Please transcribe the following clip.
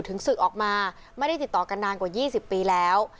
ศึกออกมาไม่ได้ติดต่อกันนานกว่า๒๐ปีแล้ว